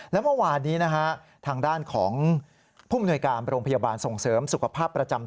และเมื่อวานนี้นะฮะทางด้านของผู้มนวยการโรงพยาบาลส่งเสริมสุขภาพประจำ